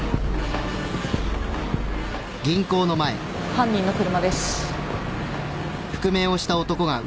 犯人の車です。